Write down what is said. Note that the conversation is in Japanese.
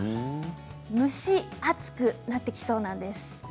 むし暑くなってきそうなんです。